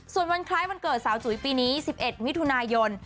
ส่วนวันคล้ายวันเกิดสาวจุ๋ยปีนี้๑๑มิถุนายน